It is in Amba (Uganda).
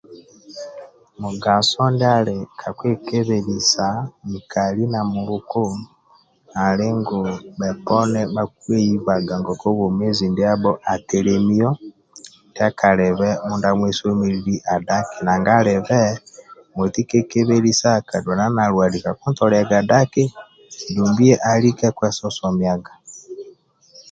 Mugaso ndia ali ka kwekebelisa nkali na muluka ali ngu bhoponi bhakweibaga ngoku bwomezi ndiabho atelemio ndia kalibe mindia amwesomilili dhaki nanga alibe monti kekebelisa ka kaduana nalwali kakintoliaga daki dumbi alike kwesosomiaga